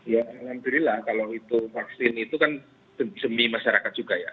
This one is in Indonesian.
ya alhamdulillah kalau itu vaksin itu kan demi masyarakat juga ya